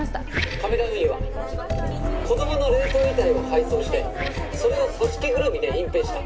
亀田運輸は子供の冷凍遺体を配送してそれを組織ぐるみで隠蔽した。